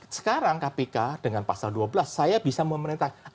sekarang kpk dengan pasal dua belas saya bisa memerintahkan